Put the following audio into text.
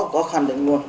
có có khẳng định luôn